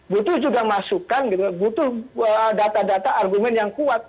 butuh juga masukan gitu butuh data data argumen yang kuat